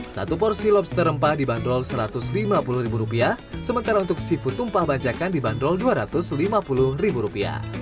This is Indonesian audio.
satu porsi lobster rempah dibanderol rp satu ratus lima puluh sementara untuk seafood tumpah banjakan dibanderol rp dua ratus lima puluh